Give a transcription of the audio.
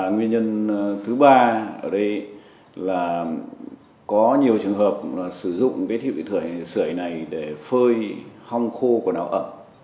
nguyên nhân thứ ba là có nhiều trường hợp sử dụng thiết bị sưởi này để phơi hong khô quần áo ẩm